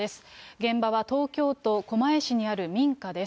現場は東京都狛江市にある民家です。